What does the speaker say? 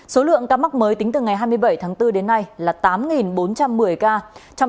số lượng ca mắc mới tính từ ngày hai mươi bảy tháng bốn đến nay là tám bốn trăm một mươi ca